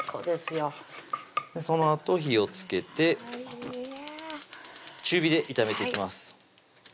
そのあと火をつけて中火で炒めていきます